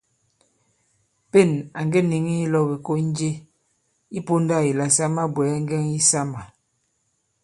Pên à ŋge nìŋi ilɔ̄w ìkon je i pōndā ìla sa mabwɛ̀ɛ ŋgɛŋ yisamà.